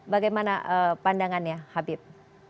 bagaimana pandangannya habib